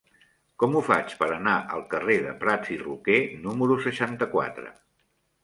Com ho faig per anar al carrer de Prats i Roquer número seixanta-quatre?